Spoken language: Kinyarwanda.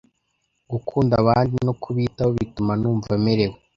Gukunda abandi no kubitaho bituma numva merewe